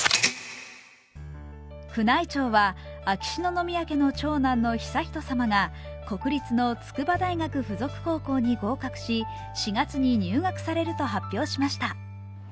宮内庁は秋篠宮家の長男の悠仁さまが国立の筑波大学附属高校に合格し、４月に入学されると発表しました。